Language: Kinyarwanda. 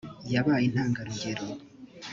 yabaye intangarugero